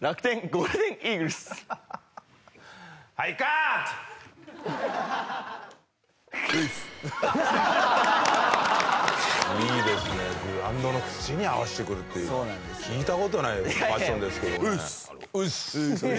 グラウンドの土に合わせてくるっていう聞いた事ないファッションですけどね。